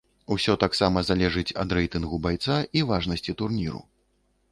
Усё таксама залежыць ад рэйтынгу байца і важнасці турніру.